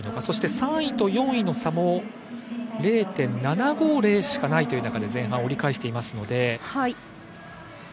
３位と４位の差も０．７５０しかない中で前半を折り返しています。